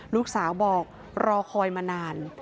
ลูกสาวบอกรอคอยมานาน